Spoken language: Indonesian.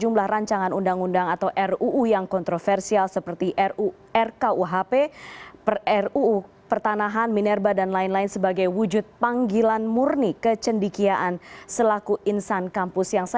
bersama bapak bapak sekalian